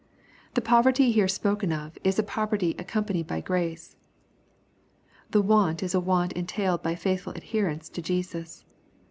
The poverty here spoken of, is a poverty accompanied by grace. The want is a want entailed by faithful adherence to Jesus.